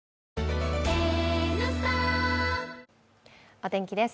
お天気です。